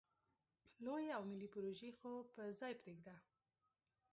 لویې او ملې پروژې خو په ځای پرېږده.